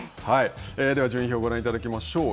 では順位表をご覧いただきましょう。